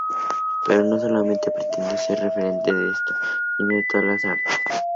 Pero no solamente pretendió ser un referente de esto, sino de todas las artes.